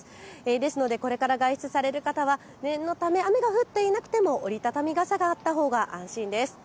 ですのでこれから外出される方は念のため雨が降っていなくても折り畳み傘があったほうが安心です。